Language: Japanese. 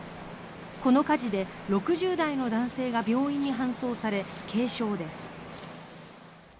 この火事で６０代の男性が病院に搬送され、軽傷です。